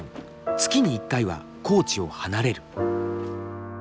月に一回は高知を離れる。